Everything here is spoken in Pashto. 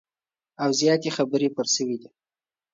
او زیاتي خبري پر سوي دي